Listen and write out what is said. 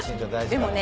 でもね